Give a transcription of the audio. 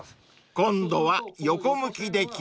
［今度は横向きで記録］